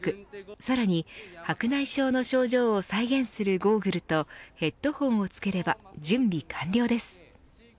さらに、白内障の症状を再現するゴーグルとヘッドホンをつければ準備完了です。